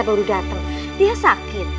baru dateng dia sakit